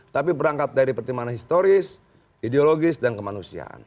tapi berangkat dari pertimbangan historis ideologis dan kemanusiaan